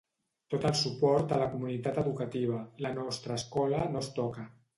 Tot el suport a la comunitat educativa, la nostra escola no es toca.